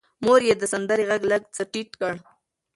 مور یې د سندرې غږ لږ څه ټیټ کړ.